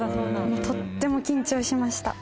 「とっても緊張しました」